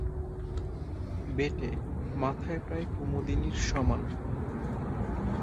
বেঁটে, মাথায় প্রায় কুমুদিনীর সমান।